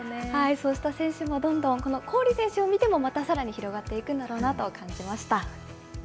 そうした選手もどんどん、こうしたコーリ選手を見ても、またさらに広がっていくんだろうなと感じました。